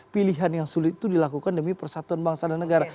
pilihan yang sulit itu dilakukan demi persatuan bangsa dan negara